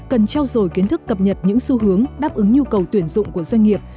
cần trao dồi kiến thức cập nhật những xu hướng đáp ứng nhu cầu tuyển dụng của doanh nghiệp